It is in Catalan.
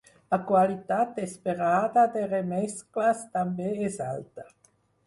La qualitat esperada de remescles també és alta.